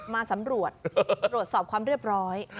มาสำรวจตรวจสอบความเรียบร้อย